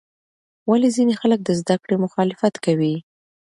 ولې ځینې خلک د زده کړې مخالفت کوي؟